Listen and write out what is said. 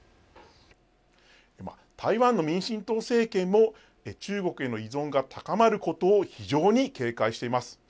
台湾の民進党政権も中国への依存が高まることを非常に警戒しています。